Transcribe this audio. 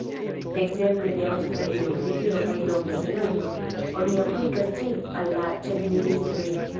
Ekzemple en Aŭstralio, Britio kaj Novzelando oni aplikas ĝin al la ĉefministroj.